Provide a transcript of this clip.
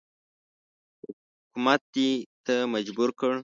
حکومت دې ته مجبور کړ.